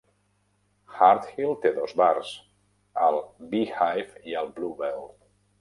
Harthill té dos bars: el "Beehive" i el "Blue Bell".